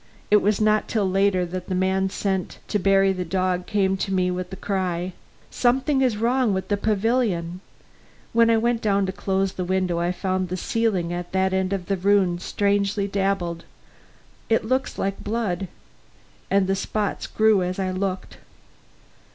It was not till later that the man sent to bury the dog came to me with the cry, "Something is wrong with the pavilion! When I went in to close the window I found the ceiling at that end of the room strangely dabbled. It looks like blood. And the spots grew as I looked."